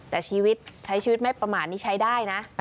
แต่ชีวิตใช้ชีวิตไม่ประมาทนี้ใช้ได้นะ